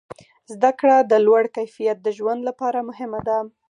زده کړه د لوړ کیفیت د ژوند لپاره مهمه ده.